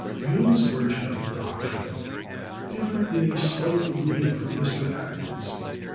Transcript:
Hume's version of the doctrine differed in a slight degree from Mr. Attwood's.